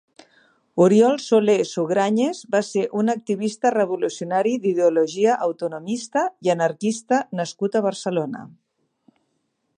Oriol Solé Sugranyes va ser un activista revolucionari d'ideologia autonomista i anarquista nascut a Barcelona.